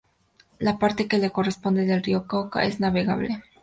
La parte que le corresponde del río Cauca es navegable.